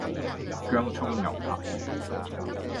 薑蔥牛柏葉